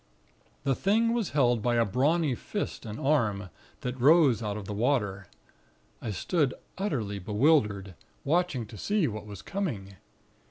The thing was held by a brawny fist and arm, that rose out of the water. I stood utterly bewildered, watching to see what was coming.